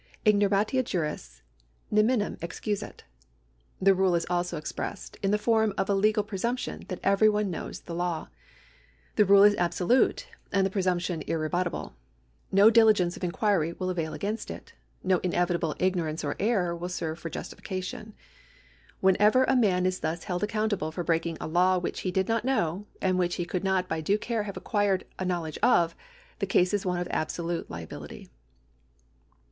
Ignoranlia juris 7icnnnem excusat. The rule is also expressed in the form of a legal presumption that every one knows the law. The rule is absolute, and the presump tion irrebuttable. No diligence of inquiry will avail against it ; no inevitable ignorance or error will serve for justifica tion. Whenever a man is thus held accoimtable for breaking a law which he did not know, and which he could not by due care have acquired a knowledge of, the case is one of absolute liability.